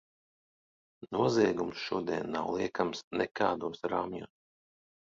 Noziegums šodien nav liekams nekādos rāmjos.